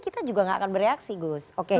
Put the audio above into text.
kita juga gak akan bereaksi gus